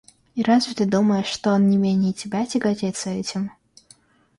И разве ты думаешь, что он не менее тебя тяготится этим?